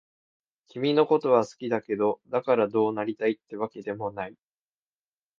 君のことは好きだけど、だからどうなりたいってわけでもない。